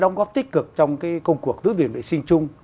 đóng góp tích cực trong cái công cuộc giữ điện vệ sinh chung